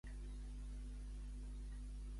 Em pots dir si en onze hores tinc alguna reunió?